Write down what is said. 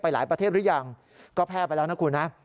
หลายประเทศหรือยังก็แพร่ไปแล้วนะคุณนะ